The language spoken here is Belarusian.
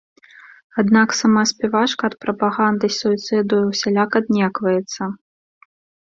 Аднак сама спявачка ад прапаганды суіцыду ўсяляк аднекваецца.